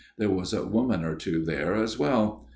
There was a woman or two there as well.